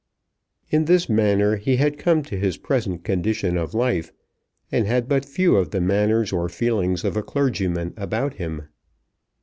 In this manner he had come to his present condition of life, and had but few of the manners or feelings of a clergyman about him.